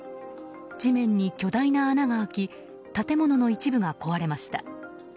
地面に巨大な穴が開き建物の一部が壊れました。